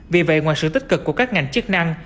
vì vậy ngoài sự tích cực của các ngành chức năng